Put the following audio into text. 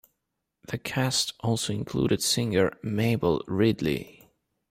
The cast also included singer Mabel Ridley.